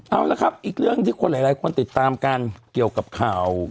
เอาละครับอีกเรื่องที่คนหลายคนติดตามกันเกี่ยวกับข่าว